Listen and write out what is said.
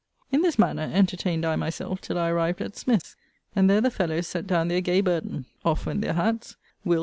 In this manner entertained I myself till I arrived at Smith's; and there the fellows set down their gay burden. Off went their hats; Will.